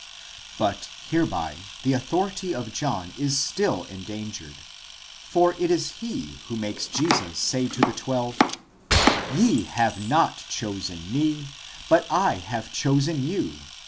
But hereby the authority of John is still endangered, for it is he who makes Jesus say to the twelve: Ye have not chosen me, but 1 have chosen you (xv.